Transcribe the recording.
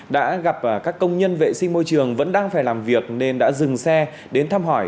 đã gặp các công nhân vệ sinh môi trường vẫn đang phải làm việc nên đã dừng xe đến thăm hỏi